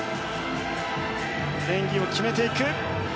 演技を決めていく！